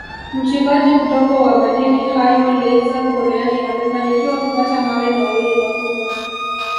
Mchimbaji mdogo wa madini hayo Laizer Kuryani amefanikiwa kupata mawe mawili makubwa